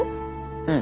うん。